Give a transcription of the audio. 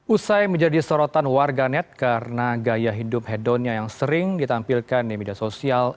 usai menjadi sorotan warganet karena gaya hidup hedonnya yang sering ditampilkan di media sosial